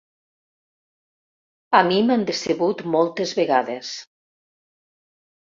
A mi m'han decebut moltes vegades.